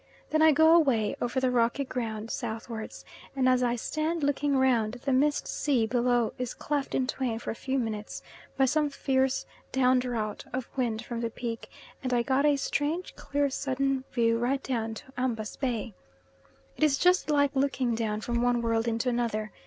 Then I go away over the rocky ground southwards, and as I stand looking round, the mist sea below is cleft in twain for a few minutes by some fierce down draught of wind from the peak, and I get a strange, clear, sudden view right down to Ambas Bay. It is just like looking down from one world into another.